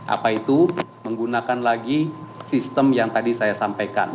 apa itu menggunakan lagi sistem yang tadi saya sampaikan